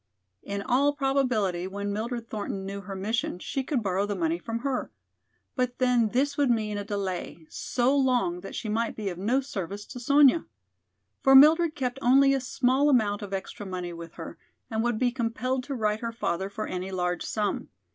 In all probability when Mildred Thornton knew her mission she could borrow the money from her. But then this would mean a delay so long that she might be of no service to Sonya. For Mildred kept only a small amount of extra money with her and would be compelled to write her father for any large sum.